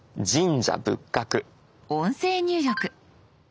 音声入力。